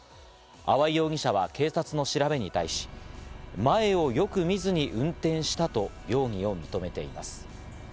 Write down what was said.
粟井容疑者は警察の調べに対し、前をよく見ずに運転したと容疑を認めています。